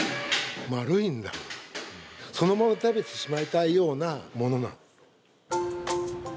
そのまま食べてしまいたいようなもの。